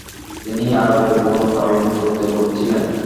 তিনি আরবের Banu Tamim গোত্রের লোক ছিলেন।